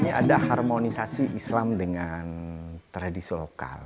ini ada harmonisasi islam dengan tradisi lokal